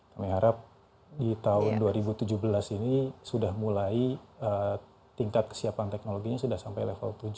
kami harap di tahun dua ribu tujuh belas ini sudah mulai tingkat kesiapan teknologinya sudah sampai level tujuh